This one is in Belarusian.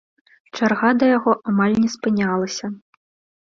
Чарга да яго амаль не спынялася.